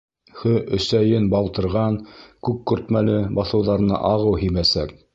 Хө-Өсәйен балтырған, күк көртмәле баҫыуҙарына ағыу һибәсәк.